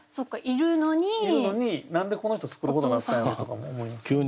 いるのに何でこの人作ることになったんやろうとかも思いますね。